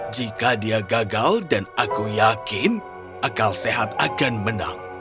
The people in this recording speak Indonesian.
jika dia gagal dan aku yakin akal sehat akan menang